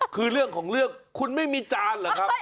คือเรื่องของเรื่องคุณไม่มีจานเหรอครับ